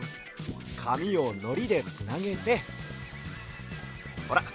かみをのりでつなげてほら